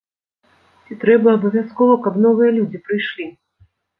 Ці трэба абавязкова, каб новыя людзі прыйшлі?